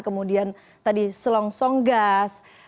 kemudian tadi selongsong gas